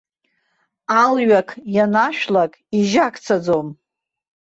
Алҩақ ианашәлак, ижьакцаӡом.